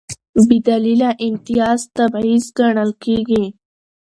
بېدلیله امتیاز تبعیض ګڼل کېږي.